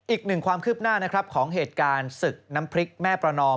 อีกหนึ่งความคืบหน้านะครับของเหตุการณ์ศึกน้ำพริกแม่ประนอม